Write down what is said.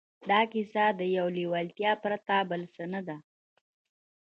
دا کیسه له یوې لېوالتیا پرته بل څه نه ده